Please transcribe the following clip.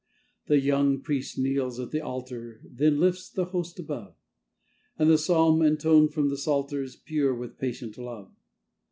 The young priest kneels at the altar, Then lifts the Host above; And the psalm intoned from the psalter Is pure with patient love.